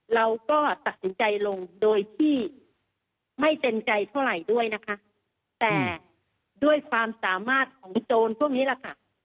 เราก็ตัดสินใจลงโดยที่ไม่เต็มใจเท่าไหร่ด้วยนะคะแต่ด้วยความสามารถของโจรพวกนี้แหละค่ะ